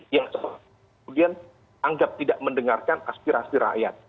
yang kemudian anggap tidak mendengarkan aspirasi rakyat